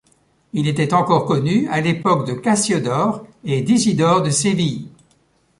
Il était encore connu à l'époque de Cassiodore et d'Isidore de Séville.